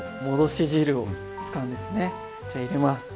じゃ入れます。